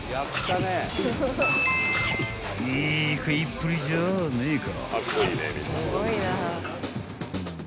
［いい食いっぷりじゃねえか］